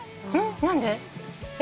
何で？